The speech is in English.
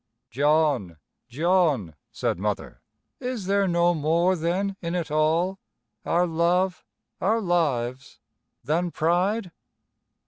"John, John," said Mother, "is there no more then in it all our love, our lives than pride?"